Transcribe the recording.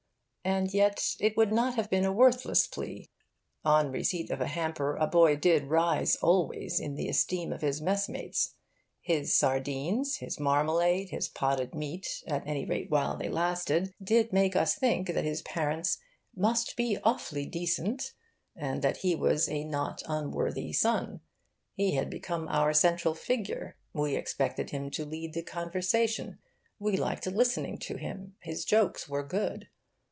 And yet it would not have been a worthless plea. On receipt of a hamper, a boy did rise, always, in the esteem of his mess mates. His sardines, his marmalade, his potted meat, at any rate while they lasted, did make us think that his parents 'must be awfully decent' and that he was a not unworthy son. He had become our central figure, we expected him to lead the conversation, we liked listening to him, his jokes were good.